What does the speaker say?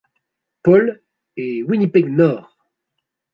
Paul et Winnipeg-Nord.